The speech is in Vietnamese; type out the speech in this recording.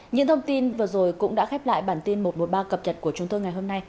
những thông tin vừa rồi cũng đã khép lại bản tin một trăm một mươi ba cập nhật của chúng tôi ngày hôm nay